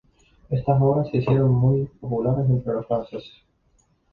Estas obras se hicieron muy populares entre los franceses.